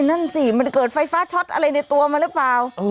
นั่นสิมันเกิดไฟฟ้าช็อตอะไรในตัวมาหรือเปล่า